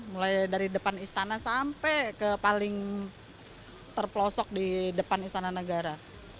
mulai dari depan istana sampai ke paling terplosok di depan istana negara